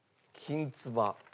きんつば。